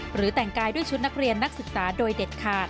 แต่งกายด้วยชุดนักเรียนนักศึกษาโดยเด็ดขาด